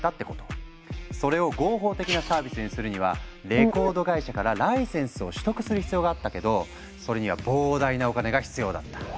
それを合法的なサービスにするにはレコード会社からライセンスを取得する必要があったけどそれには膨大なお金が必要だった。